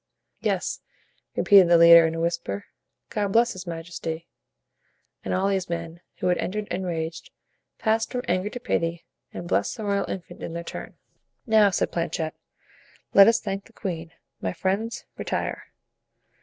"Yes," repeated the leader in a whisper, "God bless his majesty!" and all these men, who had entered enraged, passed from anger to pity and blessed the royal infant in their turn. "Now," said Planchet, "let us thank the queen. My friends, retire."